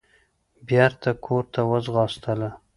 بېرته کورته وځغاستله.